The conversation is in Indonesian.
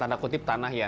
tanda kutip tanah ya